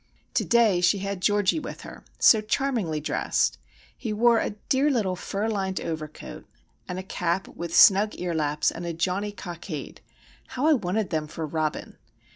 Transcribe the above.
To day she had Georgie with her,—so charmingly dressed! He wore a dear little fur lined overcoat, and a cap with snug ear laps, and a jaunty cockade. How I wanted them for Robin!